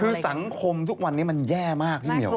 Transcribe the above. คือสังคมทุกวันนี้มันแย่มากพี่เหมียว